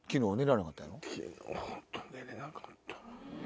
昨日本当に寝れなかった。